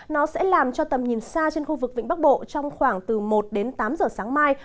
nó sẽ làm cho tầm nhìn xa trên khu vực vĩnh bắc bộ trong khoảng từ một đến tám giờ sáng mai